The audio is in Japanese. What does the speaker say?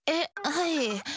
はい。